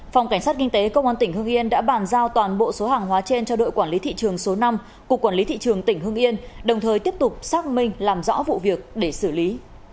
phòng cảnh sát kinh tế công an tỉnh hưng yên đã bàn giao toàn bộ số hàng hóa trên cho đội quản lý thị trường số năm cục quản lý thị trường tỉnh hưng yên đồng thời tiếp tục xác minh làm rõ vụ việc để xử lý